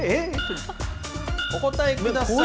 お答えください。